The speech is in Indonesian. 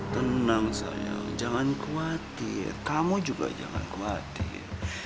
tenang saya jangan khawatir kamu juga jangan khawatir